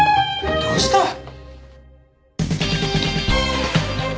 どうした？